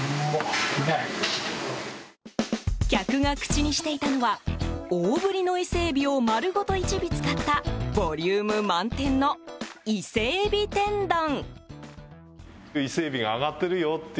客が口にしていたのは大ぶりのイセエビを丸ごと１尾使ったボリューム満点の伊勢海老天丼。